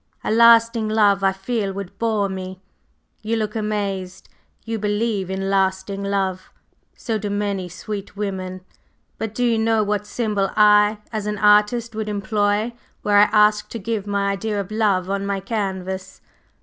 A lasting love I feel would bore me. You look amazed; you believe in lasting love? So do many sweet women. But do you know what symbol I, as an artist, would employ were I asked to give my idea of Love on my canvas?"